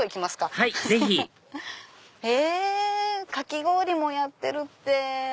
かき氷もやってるって。